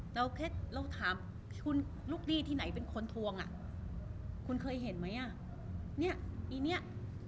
เราถามลูกหนี้ที่ไหนเป็นคนทวงอ่ะคุณเคยเห็นมั้ยอ่ะเนี่ยอีเนี่ย